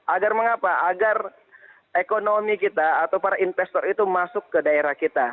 agar mengapa agar ekonomi kita atau para investor itu masuk ke daerah kita